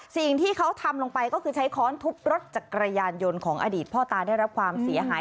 สิ่งที่เขาทำลงไปก็คือใช้ค้อนทุบรถจักรยานยนต์ของอดีตพ่อตาได้รับความเสียหาย